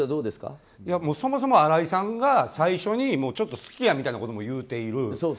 そもそも新井さんが最初に好きやみたいなことも言うている。